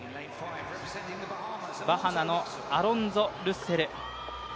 バハマのアロンゾ・ルッセル。